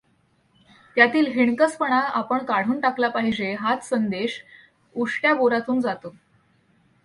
त्यातील हिणकसपणा आपण काढून टाकला पाहिजे हाच संदेश उष्ट्या बोरातून जातो.